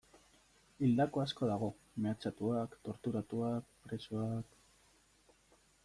Hildako asko dago, mehatxatuak, torturatuak, presoak...